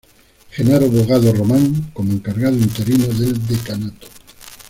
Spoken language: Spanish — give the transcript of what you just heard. Genaro Bogado Román como encargado interino del decanato.